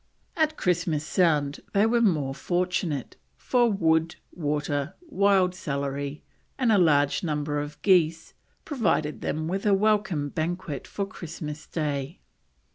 At Christmas Sound they were more fortunate, for wood, water, wild celery, and a large number of geese provided them with a welcome banquet for Christmas Day.